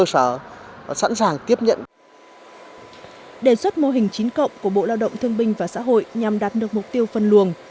tuy nhiên việc áp dụng các mô hình chín cộng của bộ lao động thương binh và xã hội nhằm đạt được mục tiêu phân luồng